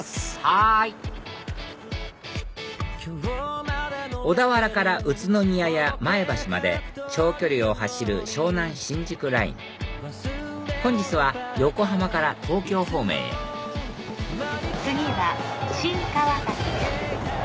はい小田原から宇都宮や前橋まで長距離を走る湘南新宿ライン本日は横浜から東京方面へ次は新川崎です。